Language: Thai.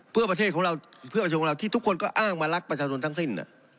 เพื่อประเทศของเราเพื่อประชาชนของเราที่ทุกคนก็อ้างมารักประชาชนทั้งสิ้น